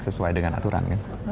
sesuai dengan aturan